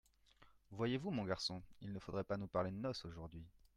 Voyez-vous, mon garçon ! il ne faudrait pas nous parler de noces aujourd’hui !